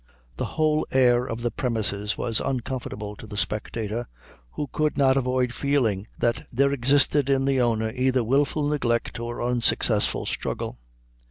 The whole air of the premises was uncomfortable to the spectator, who could not avoid feeling that there existed in the owner either wilful neglect or unsuccessful struggle.